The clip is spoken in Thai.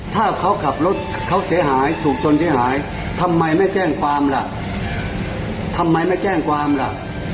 ถ้าเขาขับรถเขาเสียหายถูกชนเสียหายทำไมไม่แจ้งความล่ะ